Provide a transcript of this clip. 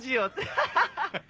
ハハハハ。